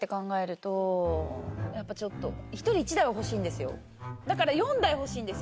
一人一台は欲しいんですよ。